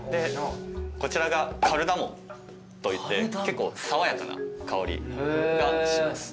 こちらがカルダモンといって結構爽やかな香りがします。